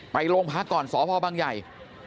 ไปโรงพักก่อนสพบังใหญ่